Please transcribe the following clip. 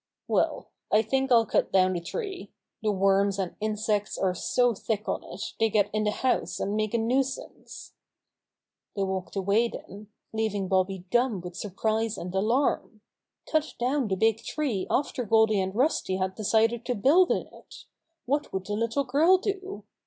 "V/ell, I think I'll cut down the tree. The worms and insects are so thick on it they get in the house and make a nuisance." 60 Bobby Gray Squirrel's Adventures They walked away then, leaving Bobby dumb with surprise and alarm. Cut down the big tree after Goldy and Rusty had decided to build in it! What would the little girl do!